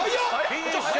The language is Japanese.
フィニッシュ！